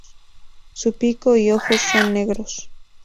Su pico y ojos son negros.